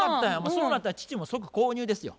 そうなったら父も即購入ですよ。